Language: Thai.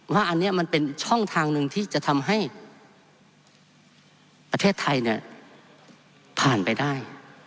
ว่าอันนี้มันเป็นช่องทางหนึ่งที่จะทำให้ประเทศไทยเนี่ยผ่านไปได้